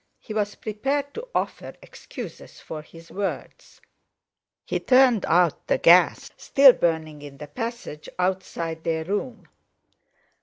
He was prepared to offer excuses for his words. He turned out the gas still burning in the passage outside their room.